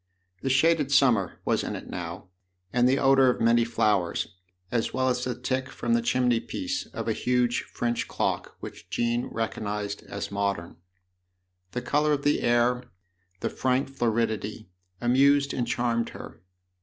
The shaded summer was in it now, and the odour of many flowers, as well as the tick from the chimney piece of a huge French clock which Jean recognised as modern. The colour of the air, the frank floridity, amused and charmed her.